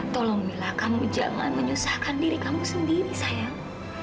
tolong bila kamu jangan menyusahkan diri kamu sendiri sayang